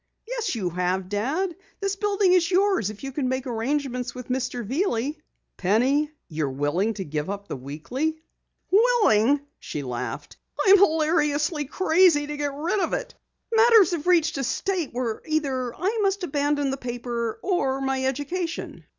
"Yes, you have, Dad. This building is yours if you can make arrangements with Mr. Veeley." "Penny! You're willing to give up the Weekly?" "Willing?" she laughed. "I'm hilariously crazy to get rid of it. Matters have reached a state where either I must abandon the paper or my education.